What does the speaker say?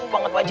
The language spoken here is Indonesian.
banget pak aji